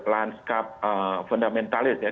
lanskap fundamentalis ya